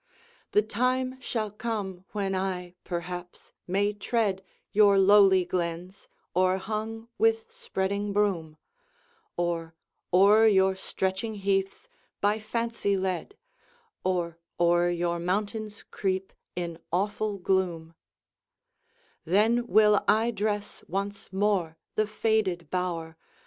The time shall come when I, perhaps, may tread Your lowly glens, o'erhung with spreading broom, Or o'er your stretching heaths by fancy led [Or o'er your mountains creep, in awful gloom:] Then will I dress once more the faded bower.